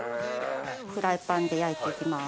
フライパンで焼いて行きます。